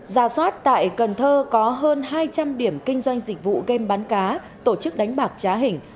ra soát tại cần thơ có hơn hai trăm linh điểm kinh doanh dịch vụ game bán cá tổ chức đánh bạc trá hình